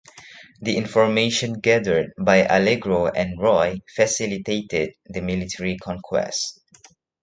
The information gathered by Allegro and Roy facilitated the military conquest.